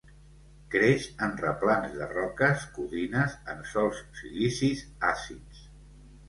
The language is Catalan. Creix en replans de roques, codines en sòls silicis àcids.